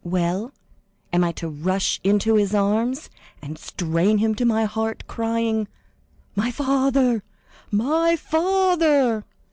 Well, am I to rush into his arms, and strain him to my heart, crying, 'My father, my father!